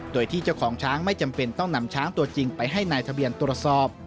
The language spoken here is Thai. โดยที่เจ้าของช้างไม่จำเป็นต้องนำช้างตัวจริงไปให้นายทะเบียนตรวจสอบ